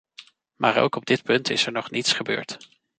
Maar ook op dit punt is er nog niets gebeurd.